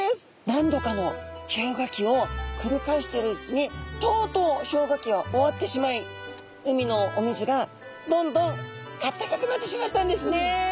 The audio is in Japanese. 何度かの氷河期をくり返しているうちにとうとう氷河期は終わってしまい海のお水がどんどんあったかくなってしまったんですね。